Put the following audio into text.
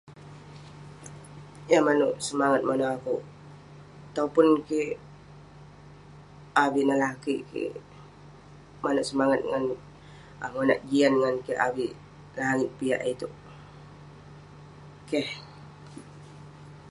Yah maneuk semangat maneuk akeuk, topun kik avik neh lakeik kik, maneuk semangat ngan- um monak jian ngan kik avik langit piak iteuk. Keh.